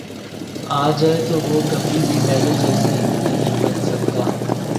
آ جائے تو وہ کبھی بھی پہلے جیسا نہیں بن سکتا